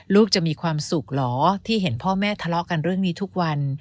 ลูกจะมีความสุขเหรอที่เห็นพ่อแม่ทะเลาะกันเรื่องนี้ทุกวัน